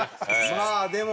まあでも。